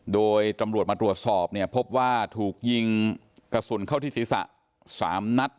โดยตำรวจมาตรวจสอบเนี่ยพบว่าถูกยิงกระสุนเข้าที่ศีรษะ๓นัด